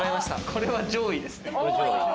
これは上位ですね。